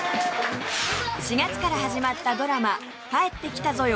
４月から始まったドラマ『帰ってきたぞよ！